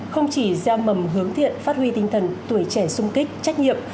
không chỉ gieo mầm hướng thiện phát huy tinh thần tuổi trẻ sung kích trách nhiệm